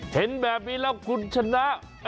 เห็นแบบนี้แล้วคุณชนะ